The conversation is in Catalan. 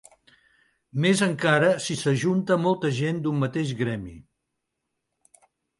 Més encara si s'ajunta molta gent d'un mateix gremi.